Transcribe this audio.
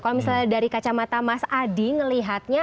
kalau misalnya dari kacamata mas adi melihatnya